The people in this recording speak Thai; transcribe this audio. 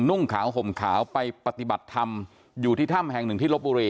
นุ่งขาวห่มขาวไปปฏิบัติธรรมอยู่ที่ถ้ำแห่งหนึ่งที่ลบบุรี